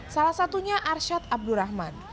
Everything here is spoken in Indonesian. salah satunya arsyad abdurrahman